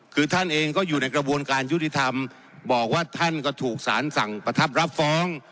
คือท่านเองก็อยู่ในกระบวนการยุติธรรมบอกว่าท่านก็ถูกสารสั่งประทับรับฟ้อง